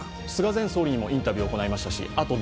菅前総理にもインタビューを行いました。